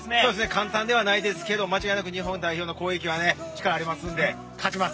簡単ではないですけど、間違いなく日本代表の攻撃はね、力ありますんで、勝ちます。